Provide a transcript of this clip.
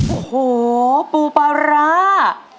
โอ้โหปูปลาร้า